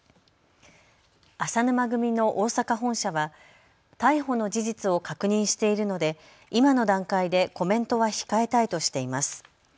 淺沼組の大阪本社は逮捕の事実を確認しているので今の段階でコメントは控えたいとしています。